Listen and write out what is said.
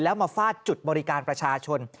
แล้วมาฟาดจุดบริการประชาชน